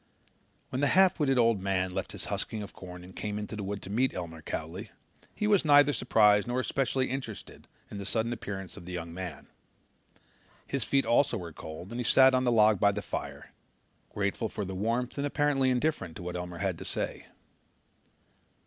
When the half witted old man left his husking of corn and came into the wood to meet Elmer Cowley, he was neither surprised nor especially interested in the sudden appearance of the young man. His feet also were cold and he sat on the log by the fire, grateful for the warmth and apparently indifferent to what Elmer had to say.